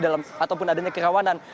ataupun adanya kerawanan